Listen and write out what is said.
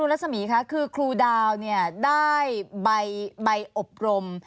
คุณนรุนรัษมีคระคือครูดาวได้ใบอบรม